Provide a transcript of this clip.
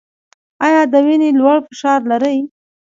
ایا د وینې لوړ فشار لرئ؟